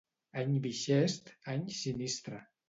Any bixest, any sinistre.